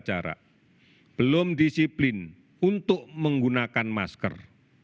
jarak belum disiplin untuk menggunakan masker